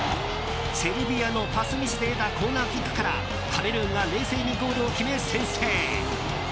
セルビアのパスミスで得たコーナーキックからカメルーンが冷静にゴールを決め先制。